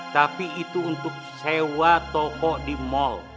tapi itu untuk sewa toko di mal